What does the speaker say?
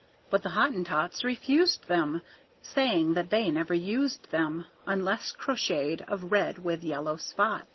But the Hottentots refused them, Saying that they never used them Unless crocheted of red with yellow spots.